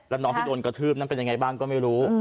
แล้วน้องที่โดนกระทืบนั้นเป็นยังไงบ้างก็ไม่รู้